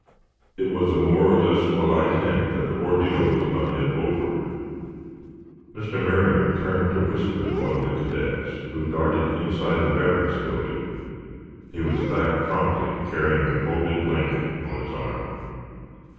It was a more or less polite hint that the ordeal was not yet over. Mr. Merriam turned to whisper to one of the cadets, who darted inside the barracks building. He was back, promptly, carrying a folded blanket on his arm.